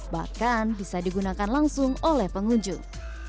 bahkan bisa digunakan langsung oleh pengunjung